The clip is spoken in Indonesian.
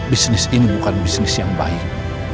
bisnis ini bukan bisnis yang baik